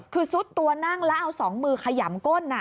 คือซุดตัวนั่งแล้วเอาสองมือขยำก้น